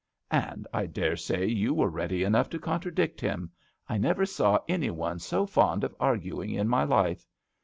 "And I dare say you were ready enough to contradict him. I never saw any one so fond of arguing in my life.